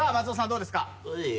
どうですか？